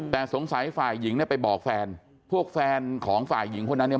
แต่สงสัยฝ่ายหญิงเนี่ยไปบอกแฟนพวกแฟนของฝ่ายหญิงคนนั้นเนี่ย